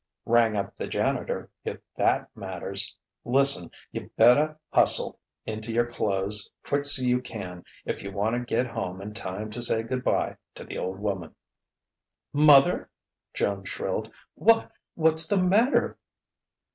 "Rang up the janitor if that matters. Lis'n: you betta hustle into your clothes quick 's you can if you wanta get home in time to say good bye to the old woman." "Mother!" Joan shrilled. "What what's the matter